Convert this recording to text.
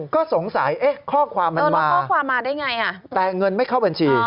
ก็สงสัยข้อความมันมาแต่เงินไม่เข้าบัญชี